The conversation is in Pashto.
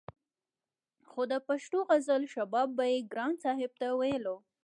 خو د پښتو غزل شباب به يې ګران صاحب ته ويلو